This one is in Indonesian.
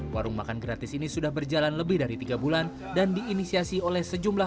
warung makan gratis ini sudah berjalan lebih dari tiga bulan dan diinisiasi oleh sejumlah